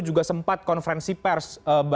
juga sempat konferensi pers